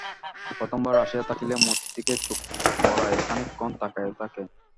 প্রথমবার আসিয়া থাকিলে মতির দিকে চোখ পড়ায় খানিকক্ষণ তাকাইয়া থাকে।